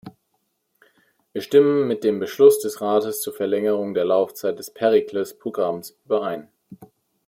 Wir stimmen mit dem Beschluss des Rates zur Verlängerung der Laufzeit des Pericles-Programms überein.